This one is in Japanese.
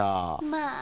まあ！